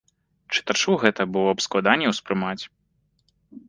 Чытачу гэта было б складаней успрымаць.